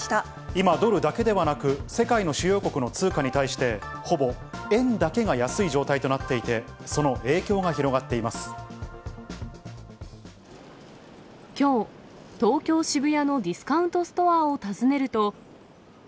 今、ドルだけではなく、世界の主要国の通貨に対して、ほぼ円だけが安い状態となっていて、きょう、東京・渋谷のディスカウントストアを訪ねると。